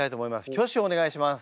挙手をお願いします。